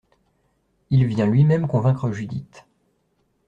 Il vient lui-même convaincre Judith.